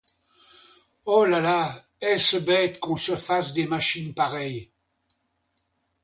Oh! là, là, est-ce bête qu’on se fasse des machines pareilles !